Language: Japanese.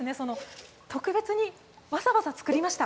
特別にわざわざ作りました。